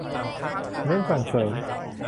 เน้นส่งเสริม